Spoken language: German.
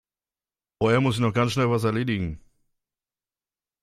Vorher muss ich noch ganz schnell was erledigen.